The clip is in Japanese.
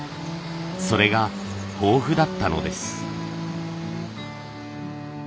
それが豊富だったのです。